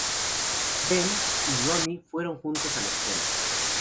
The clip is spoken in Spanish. Sven y Ronny, fueron juntos a la escuela.